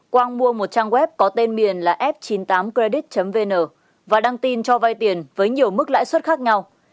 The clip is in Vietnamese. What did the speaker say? quang mua một trang web có tên miền là f chín mươi tám credit vn và đăng tin cho vay tiền với nhiều mức lãi suất khác nhau